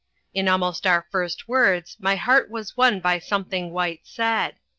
In almost our first words my heart was won by something White said.